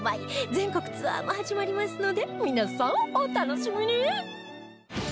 全国ツアーも始まりますので皆さんお楽しみに！